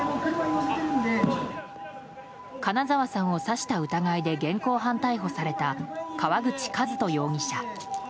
金沢さんを刺した疑いで現行犯逮捕された川口和人容疑者。